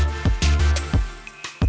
atau akan bertemu secara pribadi gitu pak